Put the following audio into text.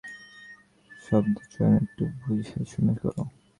শব্দচয়ন একটু বুঝেশুনে কর।